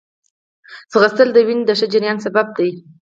ځغاسته د وینې د ښه جریان سبب ده